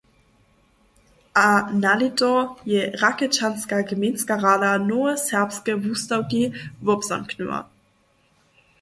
A nalěto je Rakečanska gmejnska rada nowe Serbske wustawki wobzamknyła.